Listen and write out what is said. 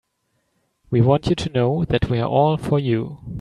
We want you to know that we're all for you.